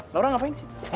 laura ngapain disitu